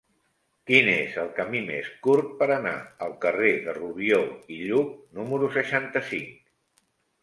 Quin és el camí més curt per anar al carrer de Rubió i Lluch número seixanta-cinc?